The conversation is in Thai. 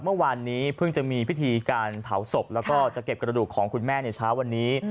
เมื่อวานนี้เพิ่งจะมีพิธีการเผาศพแล้วก็จะเก็บกระดูกของคุณแม่ในเช้าวันนี้